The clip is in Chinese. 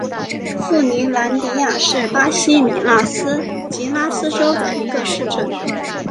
富尼兰迪亚是巴西米纳斯吉拉斯州的一个市镇。